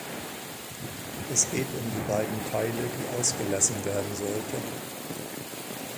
Es geht um die beiden Teile, die ausgelassen werden sollten.